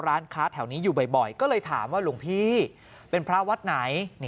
ร้านค้าแถวนี้อยู่บ่อยก็เลยถามว่าหลวงพี่เป็นพระวัดไหน